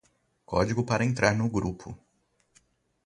Código para entrar no grupo